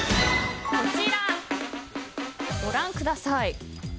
こちら、ご覧ください。